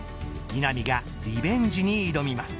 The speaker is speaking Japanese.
稲見がリベンジに挑みます。